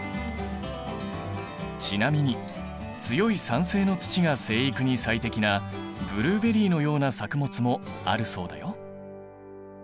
ちなみに強い酸性の土が生育に最適なブルーベリーのような作物もあるそうだよ。